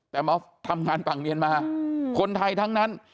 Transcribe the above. แต่มาทำงานฝั่งเมียนมาคนไทยทั้งนั้น